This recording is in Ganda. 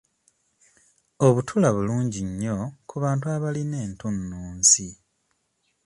Obutula bulungi nnyo ku bantu abalina entunnunsi.